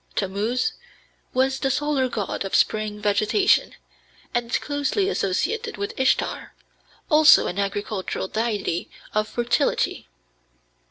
Tammuz was the solar god of spring vegetation, and closely associated with Ishtar, also an agricultural deity of fertility.